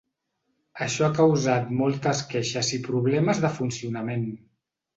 Això ha causat moltes queixes i problemes de funcionament.